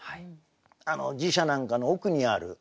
寺社なんかの奥にある。